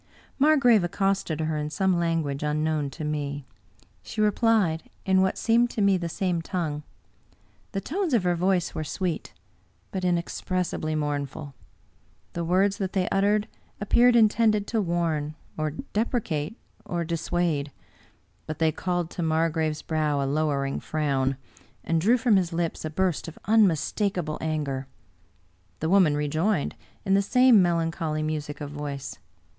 Margrave accosted her in some language unknown to me. She replied in what seemed to me the same tongue. The tones of her voice were sweet, but inexpressibly mourn ful. The words that they uttered appeared intended to 74 Bulwer Lytton warn, or deprecate, or dissuade; but they called to Mar grave's brow a lowering frown, and drew from his lips a burst of unmistakable anger. The woman rejoined, in the same melancholy music of voice.